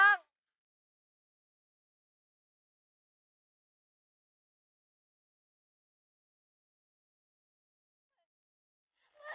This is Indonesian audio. aku mau pergi kemana mana